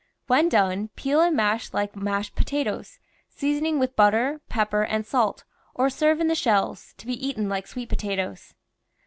When done, peel and mash Hke mashed potatoes, seasoning with butter, pepper, and salt, or serve in the shells, to be eaten like sweet potatoes.